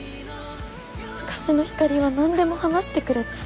昔のひかりは何でも話してくれた。